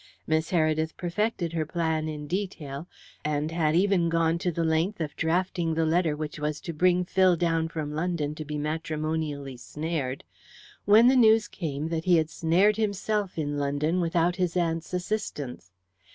Miss Heredith perfected her plan in detail, and had even gone to the length of drafting the letter which was to bring Phil down from London to be matrimonially snared, when the news came that he had snared himself in London without his aunt's assistance.